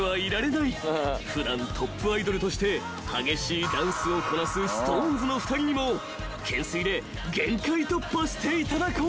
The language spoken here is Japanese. ［普段トップアイドルとして激しいダンスをこなすＳｉｘＴＯＮＥＳの２人にも懸垂で限界突破していただこう］